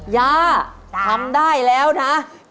ย่าทำได้แล้วนะ